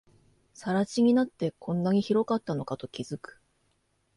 更地になって、こんなに広かったのかと気づく